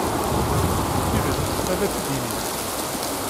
Tidet, ad tt-id-tinim.